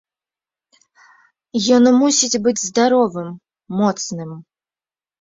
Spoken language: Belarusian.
Ён мусіць быць здаровым, моцным.